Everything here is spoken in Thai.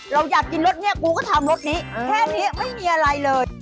เราอยากกินรสเนี่ยกูก็ทำรสนี้แค่นี้ไม่มีอะไรเลย